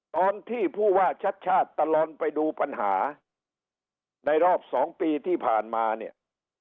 ตอนที่ผู้ว่าชัดชาติตลอดไปดูปัญหาในรอบสองปีที่ผ่านมาเนี่ย